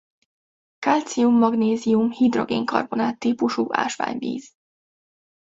Kalcium-magnézium-hidrogénkarbonát típusú ásványvíz.